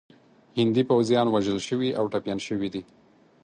هندي پوځیان وژل شوي او ټپیان شوي دي.